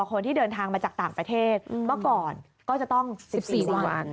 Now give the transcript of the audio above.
คนที่เดินทางมาจากต่างประเทศเมื่อก่อนก็จะต้อง๑๔วัน